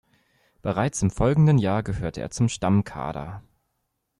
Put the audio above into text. Bereits im folgenden Jahr gehörte er zum Stammkader.